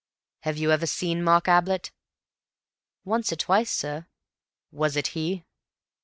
"Have you ever seen Mark Ablett?" "Once or twice, sir." "Was it he?"